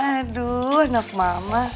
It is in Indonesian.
aduh anak mama